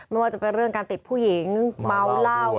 ไม่ว่าจะเป็นเรื่องการติดผู้หญิงเมาเหล้า